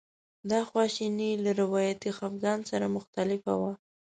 دا خواشیني له روایتي خپګان سره مختلفه وه.